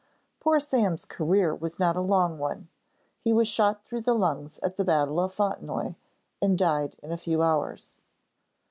Poor Sam's career was not a long one. He was shot through the lungs at the battle of Fontenoy, and died in a few hours.